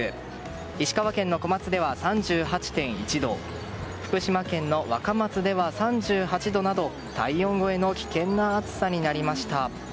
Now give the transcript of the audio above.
石川県の小松では３８．１度福島県の若松では３８度など体温超えの危険な暑さになりました。